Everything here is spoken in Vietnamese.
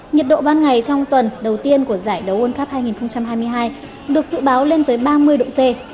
nhiệt độ ban ngày trong tuần đầu tiên của giải đấu world cup hai nghìn hai mươi hai được dự báo lên tới ba mươi độ c